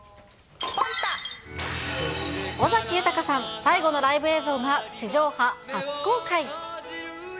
尾崎豊さん、最後のライブ映像が地上波初公開。